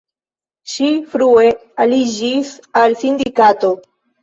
Ŝi frue aliĝis al sindikato.